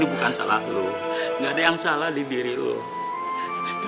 bukan salah lu nggak ada yang salah di diri lu